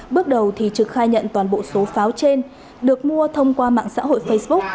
bước đầu thì trực khai nhận toàn bộ số pháo trên được mua thông qua mạng xã hội facebook